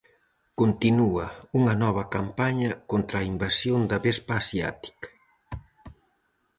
Continúa unha nova campaña contra a invasión da vespa asiática.